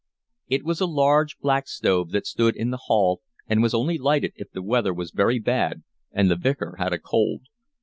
It was a large black stove that stood in the hall and was only lighted if the weather was very bad and the Vicar had a cold.